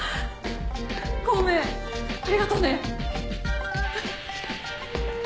孔明ありがとね。